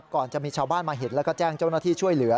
ก่อนจะมีชาวบ้านมาเห็นแล้วก็แจ้งเจ้าหน้าที่ช่วยเหลือ